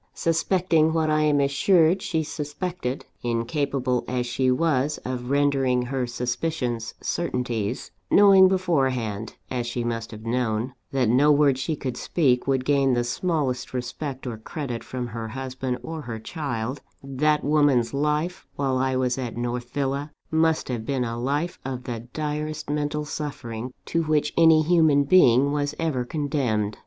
Suspecting what I am assured she suspected incapable as she was of rendering her suspicions certainties knowing beforehand, as she must have known, that no words she could speak would gain the smallest respect or credit from her husband or her child that woman's life, while I was at North Villa, must have been a life of the direst mental suffering to which any human being was ever condemned.